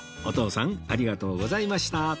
お父さんありがとうございました